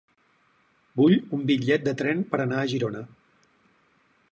Vull un bitllet de tren per anar a Girona.